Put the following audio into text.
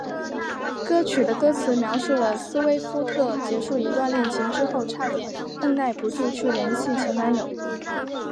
歌曲的歌词描述了斯威夫特结束一段恋情之后差点按捺不住去联系前男友。